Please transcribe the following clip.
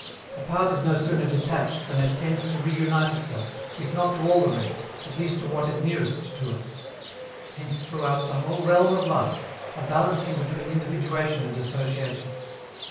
A part is no sooner detached than it tends to reunite itself, if not to all the rest, at least to what is nearest to it. Hence, throughout the whole realm of life, a balancing between individuation and association.